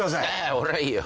俺はいいよ。